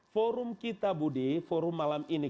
forum kita budi forum malam ini